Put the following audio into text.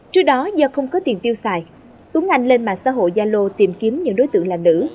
trước đó do không có tiền tiêu xài tuấn anh lên mạng xã hội gia lô tìm kiếm những đối tượng là nữ